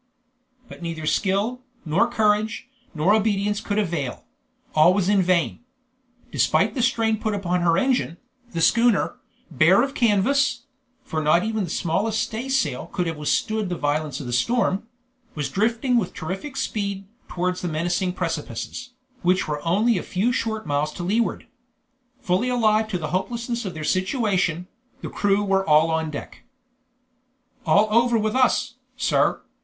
But neither skill, nor courage, nor obedience could avail; all was in vain. Despite the strain put upon her engine, the schooner, bare of canvas (for not even the smallest stay sail could have withstood the violence of the storm), was drifting with terrific speed towards the menacing precipices, which were only a. few short miles to leeward. Fully alive to the hopelessness of their situation, the crew were all on deck. "All over with us, sir!"